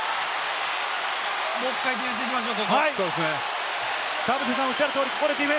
もう一回ディフェンスに行きましょう。